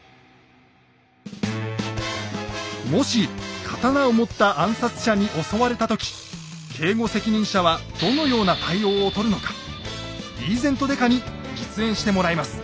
もし刀を持った暗殺者に襲われた時警護責任者はどのような対応をとるのかリーゼント刑事に実演してもらいます。